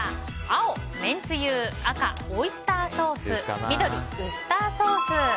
青、めんつゆ赤、オイスターソース緑、ウスターソース。